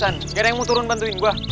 tidak ada yang mau turun bantuin gue